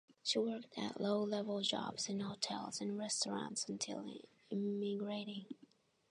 She worked at low-level jobs in hotels and restaurants until emigrating.